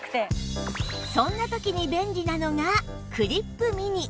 そんな時に便利なのがクリップ・ミニ